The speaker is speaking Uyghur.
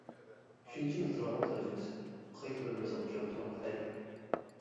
ئۈچىنچى مىسرانىڭ تەرجىمىسى: قايتا بىر مىسال كەلتۈرۈڭ ھەي!